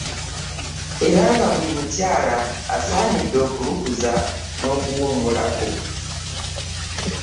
Era nga buli mukyala asaanidde okulukuza n'okuwummulako.